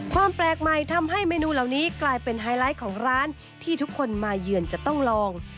ความแปลกใหม่ทำให้เมนูเหล่านี้กลายเป็นไฮไลท์ของร้านที่ทุกคนมาเยือนจะต้องลอง